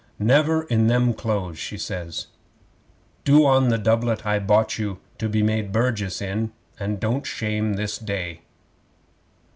'"Never in them clothes," she says. "Do on the doublet I bought you to be made burgess in, and don't you shame this day."